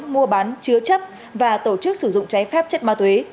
mua bán chứa chấp và tổ chức sử dụng trái phép chất ma túy